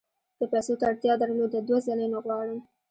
که پیسو ته اړتیا درلوده دوه ځله یې نه غواړم.